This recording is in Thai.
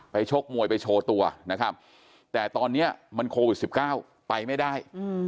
ชกมวยไปโชว์ตัวนะครับแต่ตอนนี้มันโควิด๑๙ไปไม่ได้